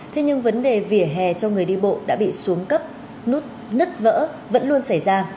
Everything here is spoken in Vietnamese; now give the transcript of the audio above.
thế nhưng vấn đề vỉa hè cho người đi bộ đã bị xuống cấp nứt vỡ vẫn luôn xảy ra